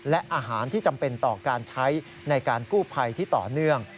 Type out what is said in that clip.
และอาหารที่จำเป็นต่อการใช้ในการกู้ภัยที่ต่อเนื่อง